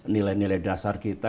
nilai nilai dasar kita